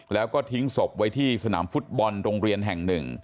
แล้วก็ทิ้งศพไว้ที่สนามฟุตบอลโรงเรียนแห่งหนึ่ง